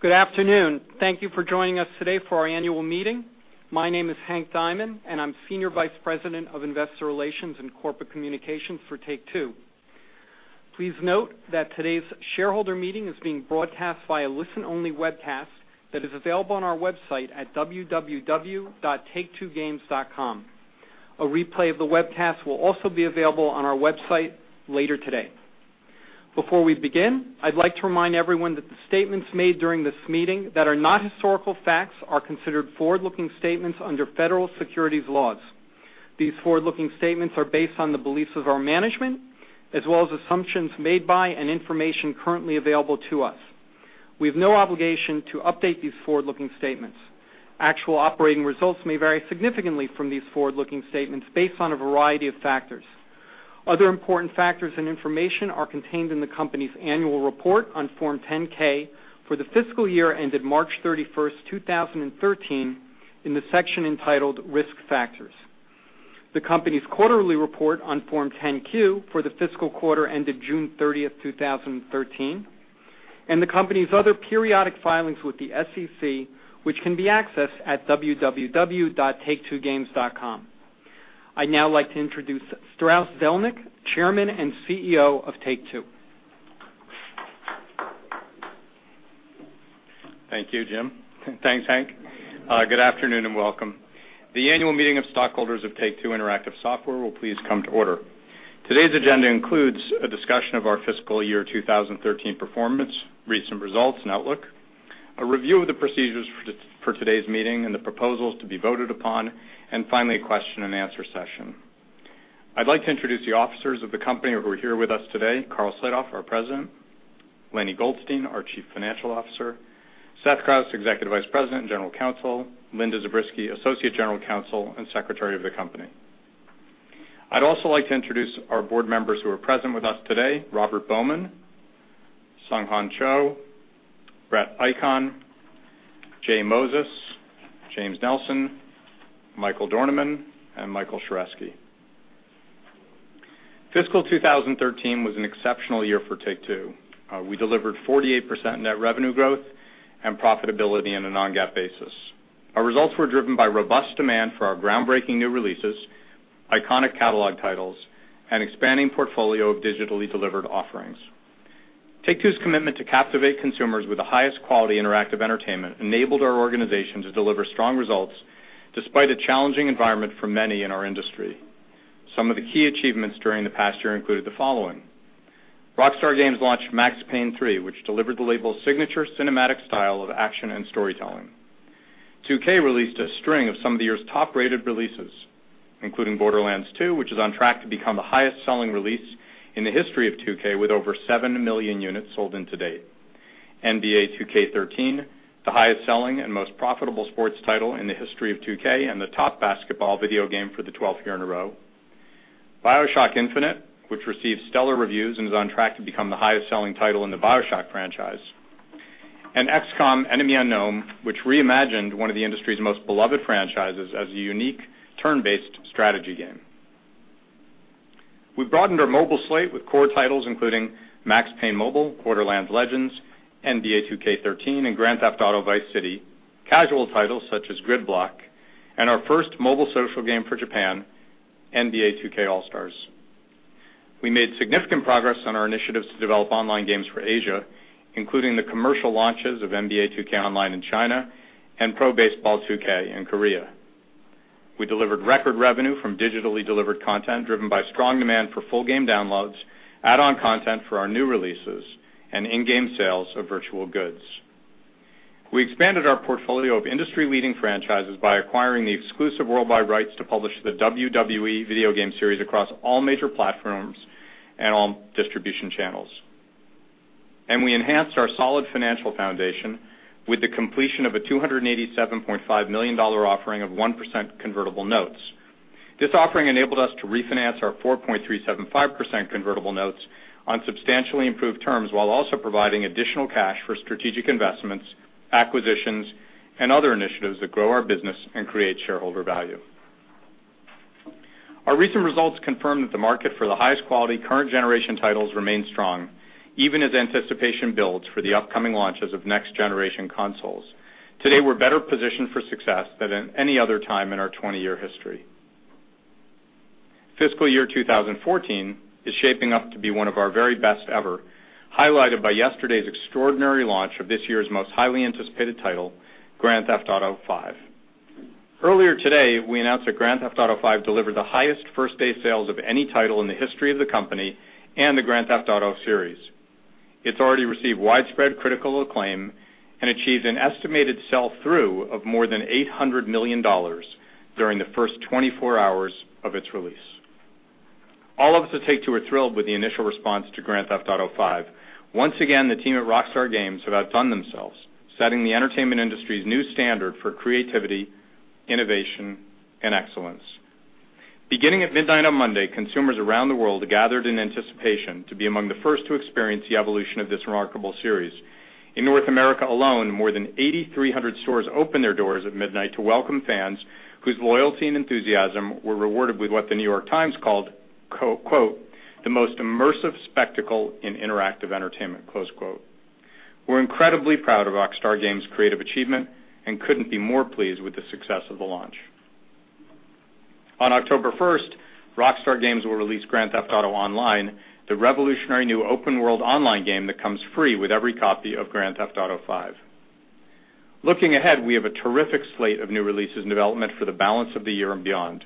Good afternoon. Thank you for joining us today for our annual meeting. My name is Henry Diamond, and I'm Senior Vice President of Investor Relations and Corporate Communications for Take-Two. Please note that today's shareholder meeting is being broadcast by a listen-only webcast that is available on our website at www.taketwogames.com. A replay of the webcast will also be available on our website later today. Before we begin, I'd like to remind everyone that the statements made during this meeting that are not historical facts are considered forward-looking statements under federal securities laws. These forward-looking statements are based on the beliefs of our management, as well as assumptions made by and information currently available to us. We have no obligation to update these forward-looking statements. Actual operating results may vary significantly from these forward-looking statements based on a variety of factors. Other important factors and information are contained in the company's annual report on Form 10-K for the fiscal year ended March 31st, 2013, in the section entitled Risk Factors. The company's quarterly report on Form 10-Q for the fiscal quarter ended June 30th, 2013, and the company's other periodic filings with the SEC, which can be accessed at www.taketwogames.com. I'd now like to introduce Strauss Zelnick, Chairman and CEO of Take-Two. Thank you, Jim. Thanks, Hank. Good afternoon and welcome. The annual meeting of stockholders of Take-Two Interactive Software will please come to order. Today's agenda includes a discussion of our fiscal year 2013 performance, recent results, and outlook, a review of the procedures for today's meeting and the proposals to be voted upon, and finally, a question and answer session. I'd like to introduce the officers of the company who are here with us today, Karl Slatoff, our President, Lainie Goldstein, our Chief Financial Officer, Seth Krauss, Executive Vice President and General Counsel, Linda Zabriskie, Associate General Counsel and Secretary of the company. I'd also like to introduce our board members who are present with us today, Robert Bowman, SungHwan Cho, Brett Icahn, J Moses, James Nelson, Michael Dornemann, and Michael Sheresky. Fiscal 2013 was an exceptional year for Take-Two. We delivered 48% net revenue growth and profitability on a non-GAAP basis. Our results were driven by robust demand for our groundbreaking new releases, iconic catalog titles, and expanding portfolio of digitally delivered offerings. Take-Two's commitment to captivate consumers with the highest quality interactive entertainment enabled our organization to deliver strong results despite a challenging environment for many in our industry. Some of the key achievements during the past year included the following. Rockstar Games launched "Max Payne 3," which delivered the label's signature cinematic style of action and storytelling. 2K released a string of some of the year's top-rated releases, including "Borderlands 2," which is on track to become the highest-selling release in the history of 2K with over 7 million units sold to date. NBA 2K13," the highest-selling and most profitable sports title in the history of 2K and the top basketball video game for the 12th year in a row. "BioShock Infinite," which received stellar reviews and is on track to become the highest-selling title in the BioShock franchise, and "XCOM: Enemy Unknown," which reimagined one of the industry's most beloved franchises as a unique turn-based strategy game. We've broadened our mobile slate with core titles including "Max Payne Mobile," "Borderlands Legends," "NBA 2K13," and "Grand Theft Auto: Vice City," casual titles such as "GridBlock" and our first mobile social game for Japan, "NBA 2K All-Star." We made significant progress on our initiatives to develop online games for Asia, including the commercial launches of "NBA 2K Online" in China and "Pro Baseball 2K" in Korea. We delivered record revenue from digitally delivered content driven by strong demand for full game downloads, add-on content for our new releases, and in-game sales of virtual goods. We expanded our portfolio of industry-leading franchises by acquiring the exclusive worldwide rights to publish the WWE video game series across all major platforms and all distribution channels. We enhanced our solid financial foundation with the completion of a $287.5 million offering of 1% convertible notes. This offering enabled us to refinance our 4.375% convertible notes on substantially improved terms, while also providing additional cash for strategic investments, acquisitions, and other initiatives that grow our business and create shareholder value. Our recent results confirm that the market for the highest quality current generation titles remain strong, even as anticipation builds for the upcoming launches of next-generation consoles. Today, we're better positioned for success than at any other time in our 20-year history. Fiscal year 2014 is shaping up to be one of our very best ever, highlighted by yesterday's extraordinary launch of this year's most highly anticipated title, "Grand Theft Auto V." Earlier today, we announced that "Grand Theft Auto V" delivered the highest first-day sales of any title in the history of the company and the Grand Theft Auto series. It's already received widespread critical acclaim and achieved an estimated sell-through of more than $800 million during the first 24 hours of its release. All of us at Take-Two are thrilled with the initial response to "Grand Theft Auto V." Once again, the team at Rockstar Games have outdone themselves, setting the entertainment industry's new standard for creativity, innovation, and excellence. Beginning at midnight on Monday, consumers around the world gathered in anticipation to be among the first to experience the evolution of this remarkable series. In North America alone, more than 8,300 stores opened their doors at midnight to welcome fans whose loyalty and enthusiasm were rewarded with what "The New York Times" called "The most immersive spectacle in interactive entertainment." We're incredibly proud of Rockstar Games' creative achievement and couldn't be more pleased with the success of the launch. On October 1st, Rockstar Games will release "Grand Theft Auto Online," the revolutionary new open world online game that comes free with every copy of "Grand Theft Auto V." Looking ahead, we have a terrific slate of new releases in development for the balance of the year and beyond.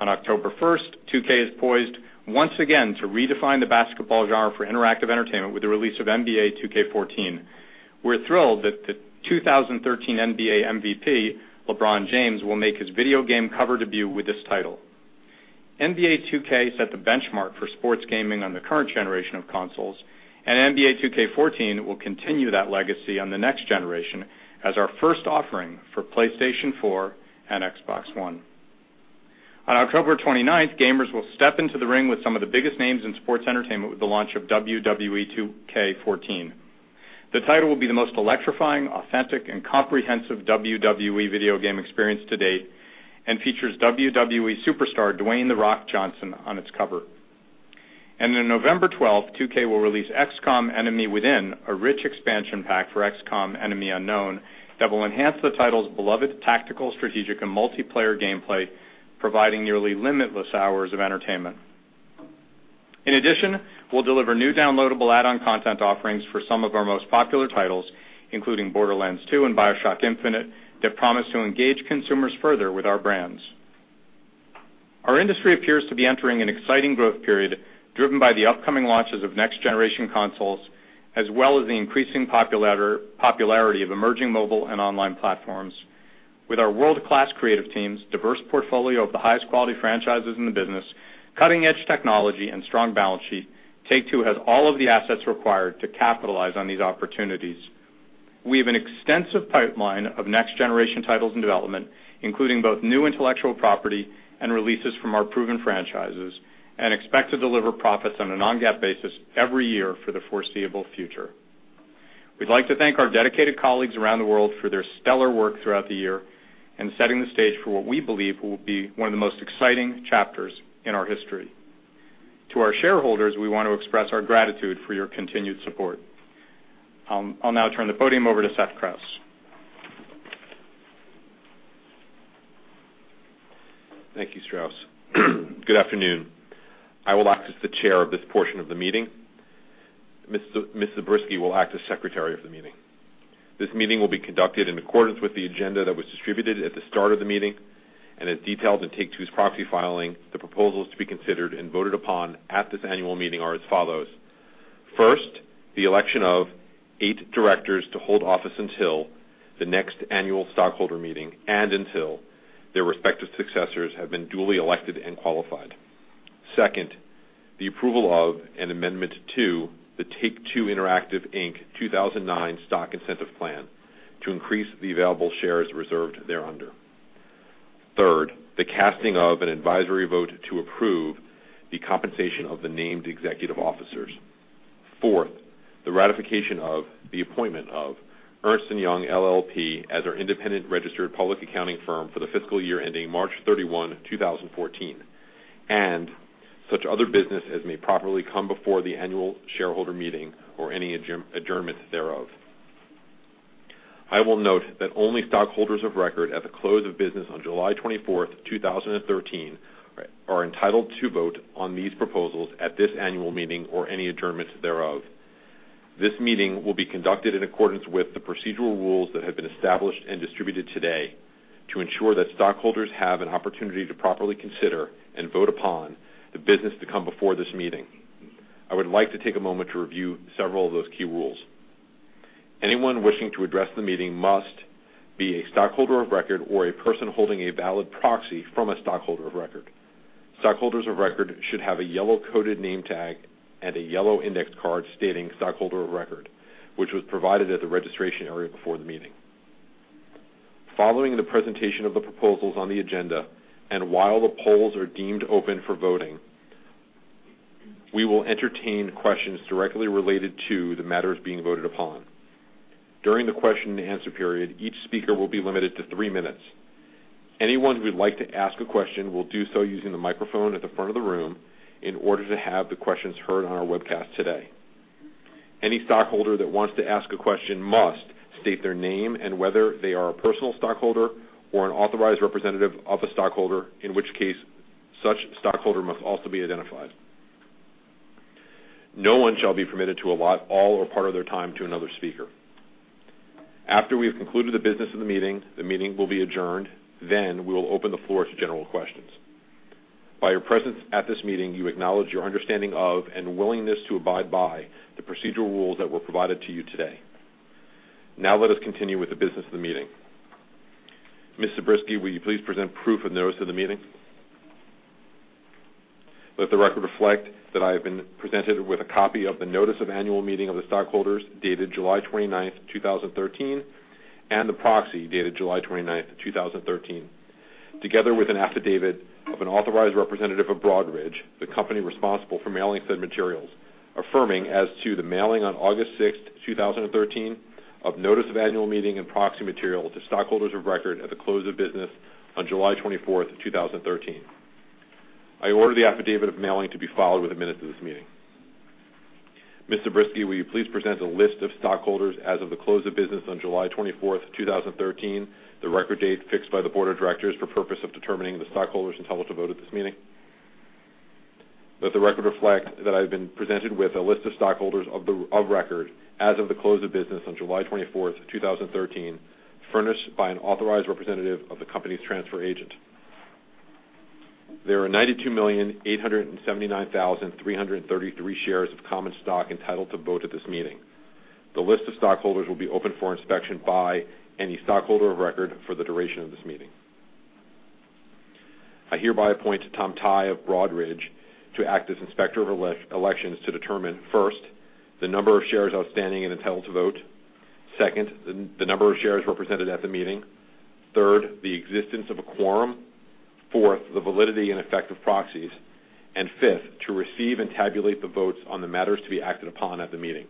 On October 1st, 2K is poised once again to redefine the basketball genre for interactive entertainment with the release of "NBA 2K14." We're thrilled that the 2013 NBA MVP, LeBron James, will make his video game cover debut with this title. "NBA 2K" set the benchmark for sports gaming on the current generation of consoles, and "NBA 2K14" will continue that legacy on the next generation as our first offering for PlayStation 4 and Xbox One. On October 29th, gamers will step into the ring with some of the biggest names in sports entertainment with the launch of "WWE 2K14." The title will be the most electrifying, authentic, and comprehensive WWE video game experience to date and features WWE superstar Dwayne "The Rock" Johnson on its cover. November 12th, 2K will release "XCOM: Enemy Within," a rich expansion pack for "XCOM: Enemy Unknown" that will enhance the title's beloved tactical, strategic, and multiplayer gameplay, providing nearly limitless hours of entertainment. In addition, we'll deliver new downloadable add-on content offerings for some of our most popular titles, including "Borderlands 2" and "BioShock Infinite," that promise to engage consumers further with our brands. Our industry appears to be entering an exciting growth period driven by the upcoming launches of next-generation consoles, as well as the increasing popularity of emerging mobile and online platforms. With our world-class creative teams, diverse portfolio of the highest quality franchises in the business, cutting-edge technology, and strong balance sheet, Take-Two has all of the assets required to capitalize on these opportunities. We have an extensive pipeline of next-generation titles in development, including both new intellectual property and releases from our proven franchises, and expect to deliver profits on a non-GAAP basis every year for the foreseeable future. We'd like to thank our dedicated colleagues around the world for their stellar work throughout the year and setting the stage for what we believe will be one of the most exciting chapters in our history. To our shareholders, we want to express our gratitude for your continued support. I'll now turn the podium over to Seth Krauss. Thank you, Strauss. Good afternoon. I will act as the chair of this portion of the meeting. Ms. Zabriskie will act as secretary of the meeting. This meeting will be conducted in accordance with the agenda that was distributed at the start of the meeting and as detailed in Take-Two's proxy filing. The proposals to be considered and voted upon at this annual meeting are as follows. First, the election of eight directors to hold office until the next annual stockholder meeting and until their respective successors have been duly elected and qualified. Second, the approval of an amendment to the Take-Two Interactive, Inc. 2009 stock incentive plan to increase the available shares reserved thereunder. Third, the casting of an advisory vote to approve the compensation of the named executive officers. Fourth, the ratification of the appointment of Ernst & Young LLP as our independent registered public accounting firm for the fiscal year ending March 31, 2014, and such other business as may properly come before the annual shareholder meeting or any adjournment thereof. I will note that only stockholders of record at the close of business on July 24th, 2013, are entitled to vote on these proposals at this annual meeting or any adjournments thereof. This meeting will be conducted in accordance with the procedural rules that have been established and distributed today to ensure that stockholders have an opportunity to properly consider and vote upon the business to come before this meeting. I would like to take a moment to review several of those key rules. Anyone wishing to address the meeting must be a stockholder of record or a person holding a valid proxy from a stockholder of record. Stockholders of record should have a yellow coded name tag and a yellow index card stating stockholder of record, which was provided at the registration area before the meeting. Following the presentation of the proposals on the agenda, and while the polls are deemed open for voting, we will entertain questions directly related to the matters being voted upon. During the question and answer period, each speaker will be limited to three minutes. Anyone who would like to ask a question will do so using the microphone at the front of the room in order to have the questions heard on our webcast today. Any stockholder that wants to ask a question must state their name and whether they are a personal stockholder or an authorized representative of a stockholder, in which case such stockholder must also be identified. No one shall be permitted to allot all or part of their time to another speaker. After we have concluded the business of the meeting, the meeting will be adjourned. We will open the floor to general questions. By your presence at this meeting, you acknowledge your understanding of and willingness to abide by the procedural rules that were provided to you today. Let us continue with the business of the meeting. Ms. Zabriskie, will you please present proof of notice of the meeting? Let the record reflect that I have been presented with a copy of the notice of annual meeting of the stockholders dated July 29th, 2013, and the proxy dated July 29th, 2013, together with an affidavit of an authorized representative of Broadridge, the company responsible for mailing said materials, affirming as to the mailing on August 6th, 2013, of notice of annual meeting and proxy material to stockholders of record at the close of business on July 24th, 2013. I order the affidavit of mailing to be filed with the minutes of this meeting. Ms. Zabriskie, will you please present a list of stockholders as of the close of business on July 24th, 2013, the record date fixed by the board of directors for purpose of determining the stockholders entitled to vote at this meeting? Let the record reflect that I have been presented with a list of stockholders of record as of the close of business on July 24th, 2013, furnished by an authorized representative of the company's transfer agent. There are 92,879,333 shares of common stock entitled to vote at this meeting. The list of stockholders will be open for inspection by any stockholder of record for the duration of this meeting. I hereby appoint Tom Tighe of Broadridge to act as Inspector of Elections to determine, first, the number of shares outstanding and entitled to vote. Second, the number of shares represented at the meeting. Third, the existence of a quorum. Fourth, the validity and effect of proxies. Fifth, to receive and tabulate the votes on the matters to be acted upon at the meeting.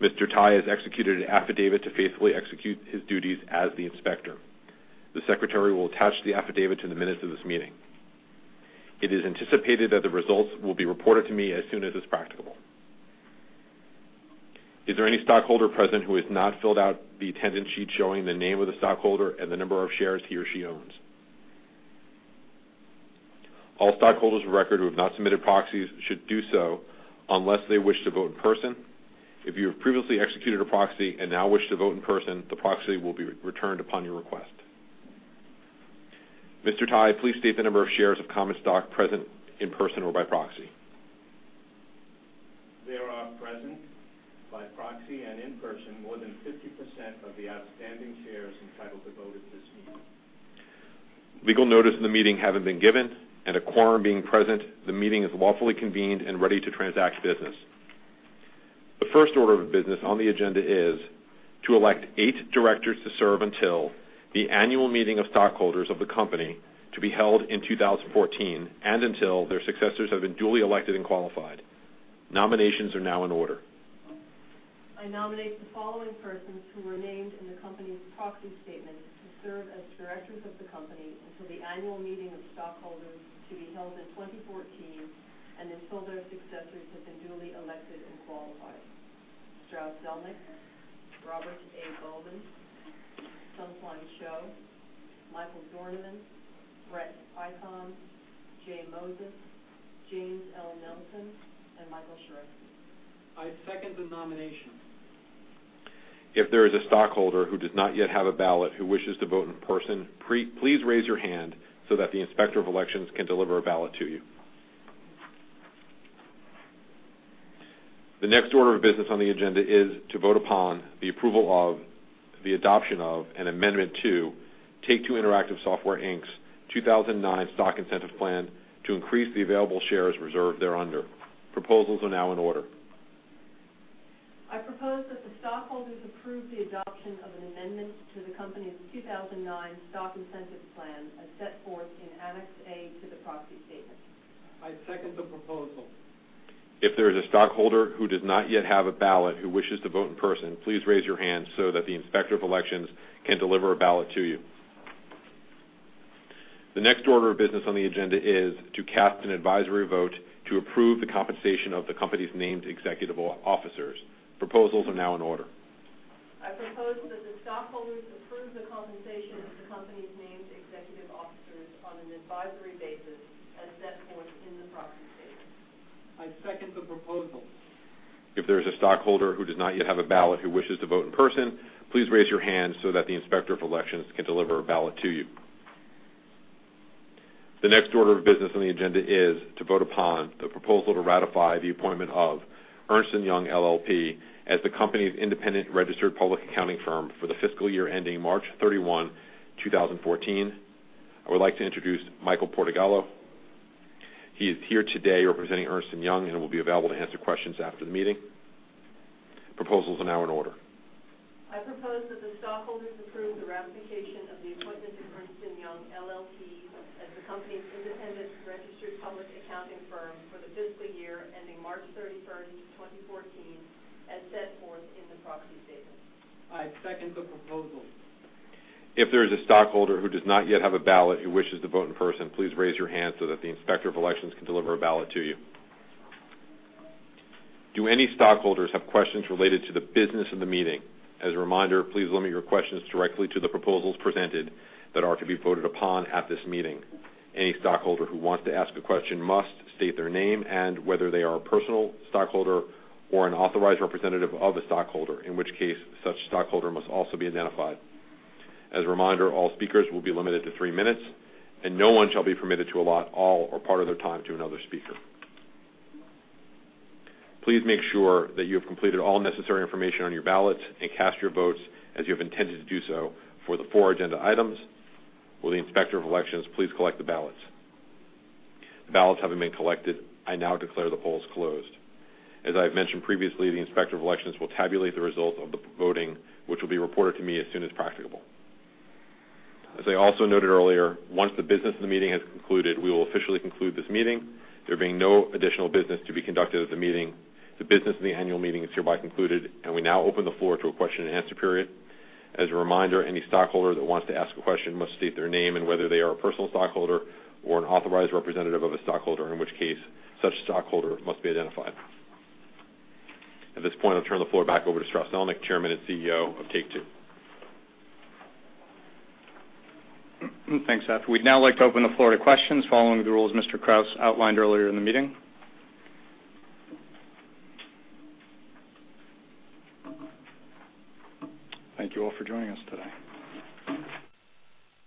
Mr. Tighe has executed an affidavit to faithfully execute his duties as the inspector. The secretary will attach the affidavit to the minutes of this meeting. It is anticipated that the results will be reported to me as soon as is practicable. Is there any stockholder present who has not filled out the attendance sheet showing the name of the stockholder and the number of shares he or she owns? All stockholders of record who have not submitted proxies should do so unless they wish to vote in person. If you have previously executed a proxy and now wish to vote in person, the proxy will be returned upon your request. Mr. Tighe, please state the number of shares of common stock present in person or by proxy. There are present by proxy and in person, more than 50% of the outstanding shares entitled to vote at this meeting. Legal notice of the meeting having been given and a quorum being present, the meeting is lawfully convened and ready to transact business. The first order of business on the agenda is to elect eight directors to serve until the annual meeting of stockholders of the company to be held in 2014, and until their successors have been duly elected and qualified. Nominations are now in order. I nominate the following persons who were named in the company's proxy statement to serve as directors of the company until the annual meeting of stockholders to be held in 2014 and until their successors have been duly elected and qualified. Strauss Zelnick, Robert A. Bowman, SungHwan Cho, Michael Dornemann, Brett Icahn, J. Moses, James L. Nelson, and Michael Sheresky. I second the nomination. If there is a stockholder who does not yet have a ballot who wishes to vote in person, please raise your hand so that the Inspector of Elections can deliver a ballot to you. The next order of business on the agenda is to vote upon the approval of the adoption of an amendment to Take-Two Interactive Software, Inc.'s 2009 stock incentive plan to increase the available shares reserved thereunder. Proposals are now in order. I propose that the stockholders approve the adoption of an amendment to the company's 2009 stock incentive plan as set forth in Annex A to the proxy statement. I second the proposal. If there is a stockholder who does not yet have a ballot who wishes to vote in person, please raise your hand so that the Inspector of Elections can deliver a ballot to you. The next order of business on the agenda is to cast an advisory vote to approve the compensation of the company's named executive officers. Proposals are now in order. I propose that the stockholders approve the compensation of the company's named executive officers on an advisory basis as set forth in the proxy statement. I second the proposal. If there is a stockholder who does not yet have a ballot who wishes to vote in person, please raise your hand so that the Inspector of Elections can deliver a ballot to you. The next order of business on the agenda is to vote upon the proposal to ratify the appointment of Ernst & Young LLP as the company's independent registered public accounting firm for the fiscal year ending March 31, 2014. I would like to introduce Michael Portegello. He is here today representing Ernst & Young and will be available to answer questions after the meeting. Proposals are now in order. I propose that the stockholders approve the ratification of the appointment of Ernst & Young LLP as the company's independent registered public accounting firm for the fiscal year ending March 31st, 2014, as set forth in the proxy statement. I second the proposal. If there is a stockholder who does not yet have a ballot who wishes to vote in person, please raise your hand so that the Inspector of Elections can deliver a ballot to you. Do any stockholders have questions related to the business of the meeting? As a reminder, please limit your questions directly to the proposals presented that are to be voted upon at this meeting. Any stockholder who wants to ask a question must state their name and whether they are a personal stockholder or an authorized representative of a stockholder, in which case such stockholder must also be identified. As a reminder, all speakers will be limited to three minutes, and no one shall be permitted to allot all or part of their time to another speaker. Please make sure that you have completed all necessary information on your ballots and cast your votes as you have intended to do so for the four agenda items. Will the Inspector of Elections please collect the ballots? The ballots having been collected, I now declare the polls closed. As I have mentioned previously, the Inspector of Elections will tabulate the results of the voting, which will be reported to me as soon as practicable. As I also noted earlier, once the business of the meeting has concluded, we will officially conclude this meeting. There being no additional business to be conducted at the meeting, the business of the annual meeting is hereby concluded, and we now open the floor to a question and answer period. As a reminder, any stockholder that wants to ask a question must state their name and whether they are a personal stockholder or an authorized representative of a stockholder, in which case such stockholder must be identified. At this point, I'll turn the floor back over to Strauss Zelnick, Chairman and CEO of Take-Two. Thanks, Seth. We'd now like to open the floor to questions following the rules Mr. Krauss outlined earlier in the meeting. Thank you all for joining us today.